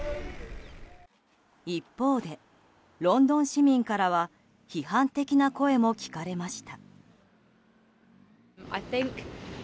一方でロンドン市民からは批判的な声も聞かれました。